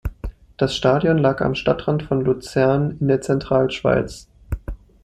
Das Stadion lag am Stadtrand von Luzern in der Zentralschweiz.